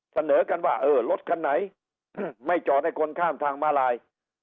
เสนอกันว่าเออรถคันไหนไม่จอดให้คนข้ามทางมาลาย